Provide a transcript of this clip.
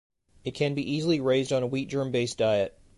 It can be easily raised on a wheat-germ-based diet.